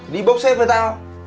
đi bốc xếp với tao